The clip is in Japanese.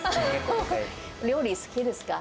料理好きですか？